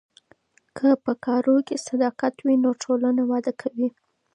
که په کارونو کې صداقت وي نو ټولنه وده کوي.